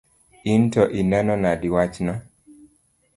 In to ineno nade wachno?